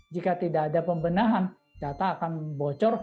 jika tidak ada pembenahan data akan bocor